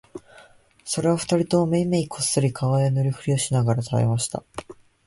それは二人ともめいめいこっそり顔へ塗るふりをしながら喰べました